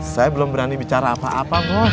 saya belum berani bicara apa apa bu